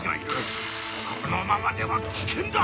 このままでは危険だ！